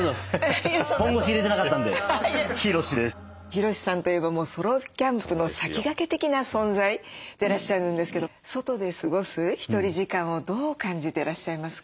ヒロシさんといえばソロキャンプの先駆け的な存在でいらっしゃるんですけど外で過ごすひとり時間をどう感じてらっしゃいますか？